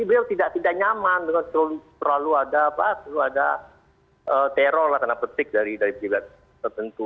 beliau tidak nyaman dengan terlalu ada teror karena petik dari pihak tertentu